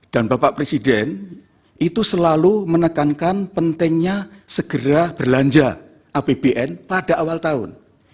dan bapak presiden itu selalu menekankan pentingnya segera berlanja apbn pada awal tahun